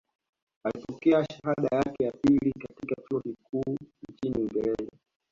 Alipokea shahada yake ya pili katika chuo kikuu nchini Uingereza